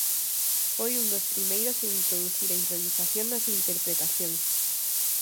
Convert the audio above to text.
Foi un dos primeiros en introducir a improvisación nas interpretacións.